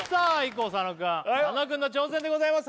こう佐野くん佐野くんの挑戦でございます